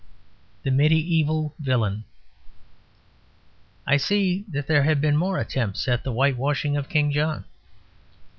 THE MEDIÆVAL VILLAIN I see that there have been more attempts at the whitewashing of King John.